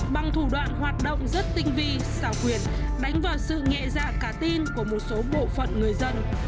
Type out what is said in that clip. bằng thủ đoạn hoạt động rất tinh vi xảo quyền đánh vào sự nghệ dạng cá tin của một số bộ phận người dân